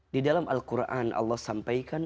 di dalam al quran allah sampaikan